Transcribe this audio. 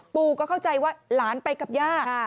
ปู่ก็เข้าใจว่าหลานไปกับย่า